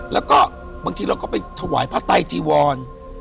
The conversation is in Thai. แล้วก็บางทีเราก็ไปถวายพระไตจีวร